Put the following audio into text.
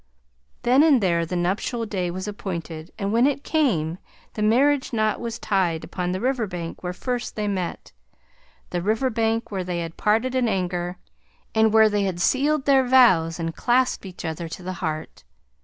Then and there the nuptial day was appointed and when it came, the marriage knot was tied upon the river bank where first they met; the river bank where they had parted in anger, and where they had again scealeld their vows and clasped each other to the heart.